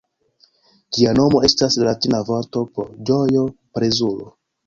Ĝia nomo estas la latina vorto por ĝojo, plezuro.